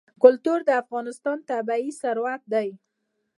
کلتور د افغانستان طبعي ثروت دی.